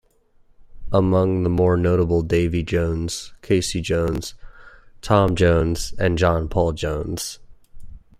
Among the more notable, Davy Jones, Casey Jones, Tom Jones, and John Paul Jones.